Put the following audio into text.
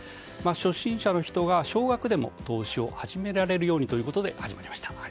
初心者の人が少額でも投資を始められるようにということで始まりました。